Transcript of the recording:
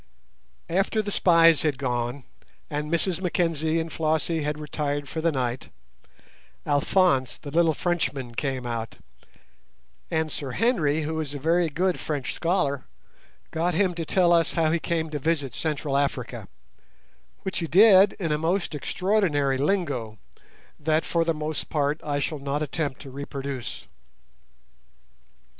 After the spies had gone, and Mrs Mackenzie and Flossie had retired for the night, Alphonse, the little Frenchman, came out, and Sir Henry, who is a very good French scholar, got him to tell us how he came to visit Central Africa, which he did in a most extraordinary lingo, that for the most part I shall not attempt to reproduce.